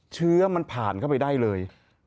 เชื้อมันผ่านเข้าไปได้เลย